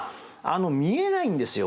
見えないんですよ